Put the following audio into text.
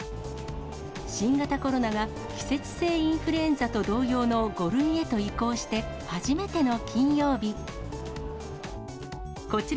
新型コロナが季節性インフルエンザと同様の５類へと移行して、初めての金曜日。